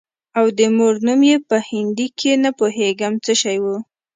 او د مور نوم يې په هندي کښې نه پوهېږم څه شى و.